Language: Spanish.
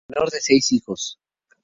Fue el menor de seis hijos.